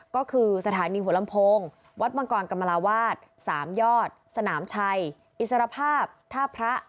ก็คือสถานีหัวลำโพงวัดมังกรกรรมราวาส๓ยอดสนามชัยอิสรภาพท่าพระ